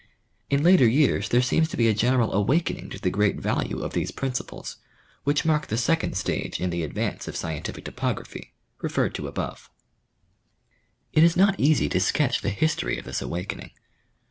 In later years there seems to be a general awakening to the great value of these principles, which mai k the second stage in the advance of scientific topography, referred to above. Geographic Methods in Geologic Investigation. 15 It is not easy to sketch the history of this awakening.